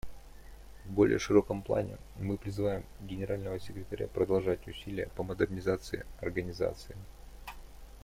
В более широком плане, мы призываем Генерального секретаря продолжать усилия по модернизации Организации.